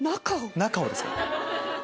中をですか。